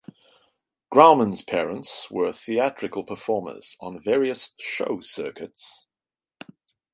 Grauman's parents were theatrical performers on various show circuits.